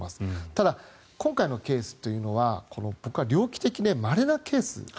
ただ、今回のケースというのは僕は猟奇的でまれなケース。